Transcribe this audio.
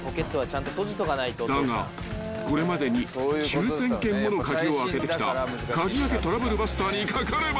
［だがこれまでに９，０００件もの鍵を開けてきた鍵開けトラブルバスターにかかれば］